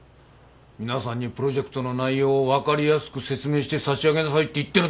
皆さんにプロジェクトの内容を分かりやすく説明してさしあげなさいって言ってるんだよ。